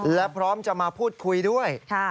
และพร้อมจะมาพูดคุยด้วย